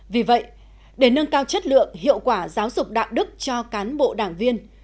vì vậy để nâng cao chất lượng hiệu quả giáo dục đạo đức cho cán bộ đảng viên